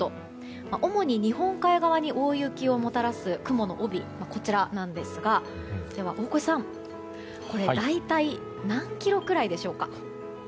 主に日本海側に大雪をもたらす雲の帯なんですが大越さん大体何キロぐらいでしょうか？